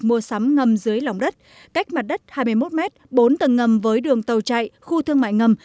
mua sắm ngầm dưới lòng đất cách mặt đất hai mươi một m bốn tầng ngầm với đường tàu chạy khu thương mại ngầm